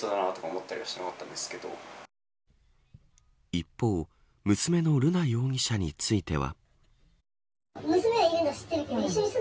一方、娘の瑠奈容疑者については。